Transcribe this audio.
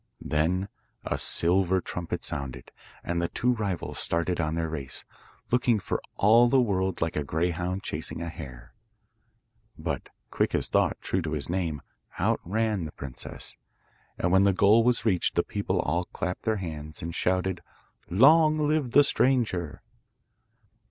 Then a silver trumpet sounded, and the two rivals started on their race, looking for all the world like a greyhound chasing a hare. But Quick as Thought, true to his name, outran the princess, and when the goal was reached the people all clapped their hands and shouted, 'Long live the stranger!